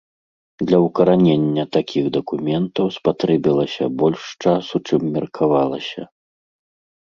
Для ўкаранення такіх дакументаў спатрэбілася больш часу, чым меркавалася.